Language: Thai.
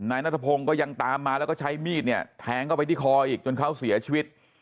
นายนัทพงศ์ก็ยังตามมาแล้วก็ใช้มีดเนี่ยแทงเข้าไปที่คออีกจนเขาเสียชีวิต